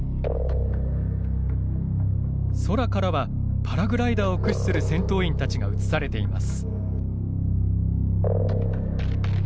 空からは、パラグライダーを駆使する戦闘員たちが映されています。